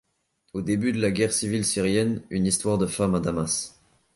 Au début de la guerre civile syrienne, une histoire de femmes à Damas.